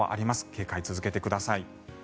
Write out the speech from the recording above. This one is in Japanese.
警戒を続けてください。